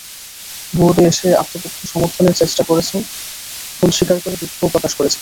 বোর্ডে এসে আত্মপক্ষ সমর্থনের চেষ্টা করেছেন, ভুল স্বীকার করে দুঃখও প্রকাশ করেছেন।